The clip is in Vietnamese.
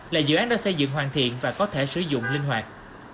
là dự án đã xây dựng hoàn thiện và có thể sử dụng linh hoạt